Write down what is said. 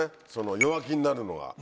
弱気になるのが。